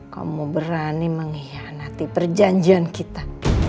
kamu berani mengkhianati perjanjian kita